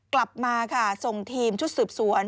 กลับมาค่ะส่งทีมชุดสืบสวน